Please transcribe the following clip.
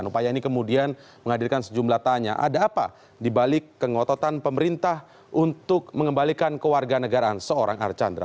upaya ini kemudian menghadirkan sejumlah tanya ada apa dibalik kengototan pemerintah untuk mengembalikan kewarganegaraan seorang archandra